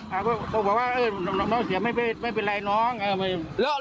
เขาบอกว่าเออน้องเสียไม่เป็นไรน้อง